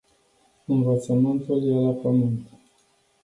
Învățământul e la pământ.